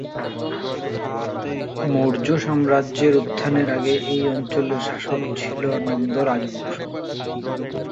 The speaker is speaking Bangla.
মৌর্য সাম্রাজ্যের উত্থানের আগে এই অঞ্চলের শাসক ছিল নন্দ রাজবংশ।